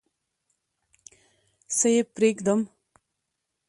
څه یې پرېږدم؟